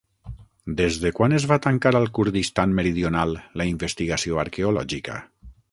Des de quan es va tancar al Kurdistan meridional la investigació arqueològica?